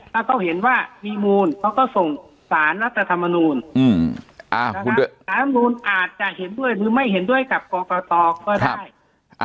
ถ้าเขาเห็นว่ามีมูลเขาก็ส่งสารรัฐธรรมนูลสารธรรมนูลอาจจะเห็นด้วยหรือไม่เห็นด้วยกับกรกตก็ได้